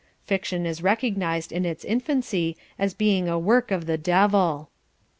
Fiction was recognised in its infancy as being a work of the devil.